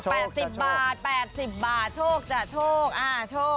โชกจ้าโชกโชกแปดสิบบาท